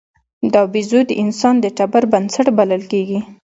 دا بیزو د انسان د ټبر بنسټ بلل کېږي.